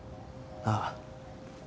ああ。